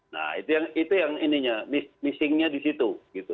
nah itu yang ininya missingnya di situ